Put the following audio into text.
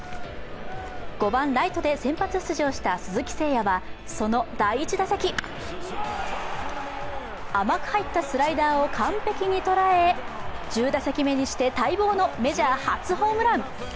５番・ライトで先発出場した鈴木誠也はその第１打席甘く入ったスライダーを完璧に捉え、１０打席目にして待望のメジャー初ホームラン。